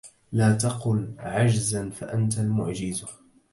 لا تقل عجزا فأنت المعجز